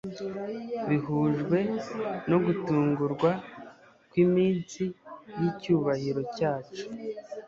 bihujwe no gutungurwa kwiminsi yicyubahiro cyacu